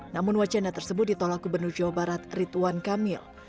namun wacana tersebut ditolak gubernur jawa barat rituan kamil